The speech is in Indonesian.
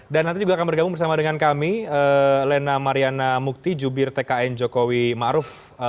dan nanti juga akan bergabung bersama dengan kami lena mariana mukti jubir tkn jokowi ma'ruf